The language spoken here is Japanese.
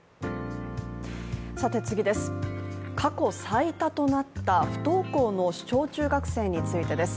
過去最多となった不登校の小中学生についてです。